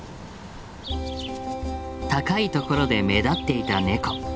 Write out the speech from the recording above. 高い所で目立っていたネコ。